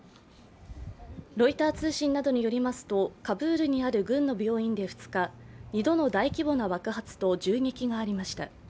ロイター通信などによりますとカブールにある軍の病院で２日、２度の大規模な爆発と銃撃がありました。